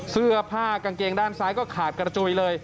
เสื้อผ้ากางเกงด้านซ้ายก็ขาดกระจุยเลย